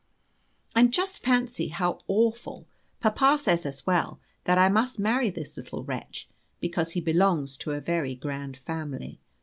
And just fancy how awful! papa says as well, that I must marry this little wretch, because he belongs to a very grand family.